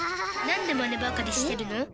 なんでマネばかりしてるの？